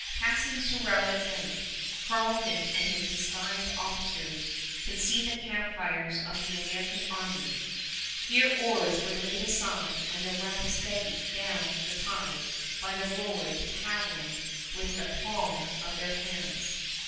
Passing Sorel at night Carleton and his disguised officers could see the camp fires of the American army. Here oars were laid aside and the raft steadied down the tide by the rowers paddling with the palms of their hands.